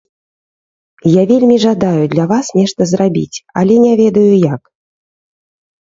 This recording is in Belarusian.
Я вельмі жадаю для вас нешта зрабіць, але не ведаю як.